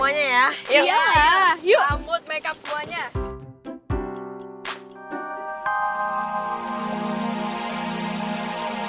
oke berarti semuanya ya